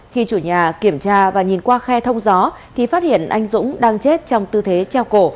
khi chủ nhà kiểm tra và nhìn qua khe thông gió thì phát hiện anh dũng đang chết trong tư thế treo cổ